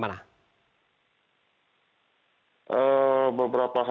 petugas menganggap ini hanya kasus kenakalan remaja biasa